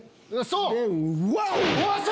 そう！